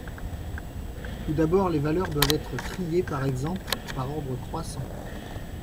Tout d'abord les valeurs doivent être triées par exemple par ordre croissant.